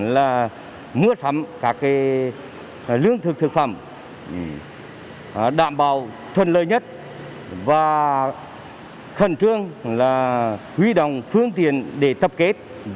là mua sắm các lương thực thực phẩm đảm bảo thuận lợi nhất và khẩn trương là huy động phương tiện để tập kết